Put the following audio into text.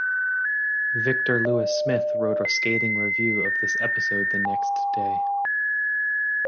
Victor Lewis Smith wrote a scathing review of this episode the next day.